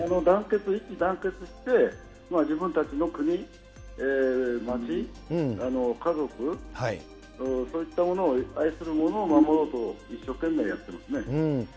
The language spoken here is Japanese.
団結、一致団結して、自分たちの国、町、家族、そういったものを、愛する者を守ろうと一生懸命やってますね。